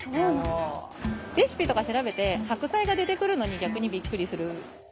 レシピとか調べて白菜が出てくるのに逆にびっくりする。